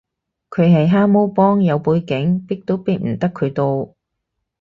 佢係蛤蟆幫，有背景，逼都逼唔得佢到